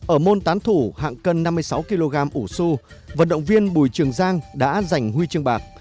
ở môn tán thủ hạng cân năm mươi sáu kg ủ xu vận động viên bùi trường giang đã giành huy chương bạc